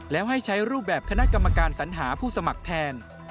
แล้วให้ใช้รูปแบบคณะกรรมการสัญหาผู้สมัครแทน